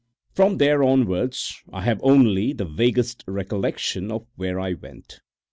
From there onwards I have only the vaguest recollections of where I went.